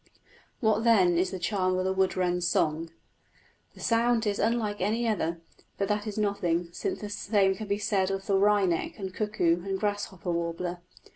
What, then, is the charm of the wood wren's song? The sound is unlike any other, but that is nothing, since the same can be said of the wryneck and cuckoo and grasshopper warbler.